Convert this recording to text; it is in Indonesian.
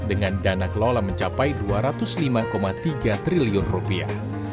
dengan dana kelola mencapai dua ratus lima tiga triliun rupiah